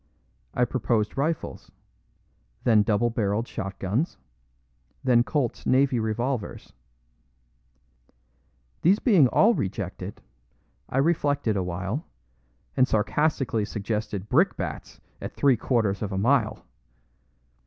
I proposed rifles; then double barreled shotguns; then Colt's navy revolvers. These being all rejected, I reflected awhile, and sarcastically suggested brickbats at three quarters of a mile.